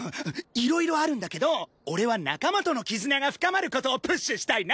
いろいろあるんだけど俺は仲間との絆が深まる事をプッシュしたいな！